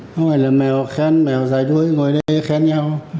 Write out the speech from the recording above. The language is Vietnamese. không phải là mèo khen mèo dài đuôi ngồi đây khen nhau